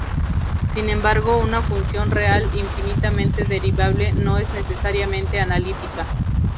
Sin embargo, una función real infinitamente derivable no es necesariamente analítica.